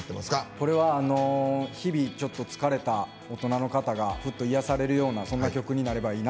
これは日々、疲れた大人の方がふと癒やされるようなそんな曲になればいいな。